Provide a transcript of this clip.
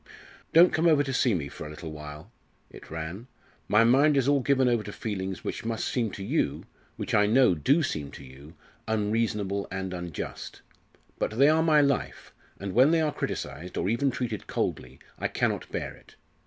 "Don't come over to see me for a little while," it ran. "My mind is all given over to feelings which must seem to you which, I know, do seem to you unreasonable and unjust. But they are my life, and when they are criticised, or even treated coldly, I cannot bear it.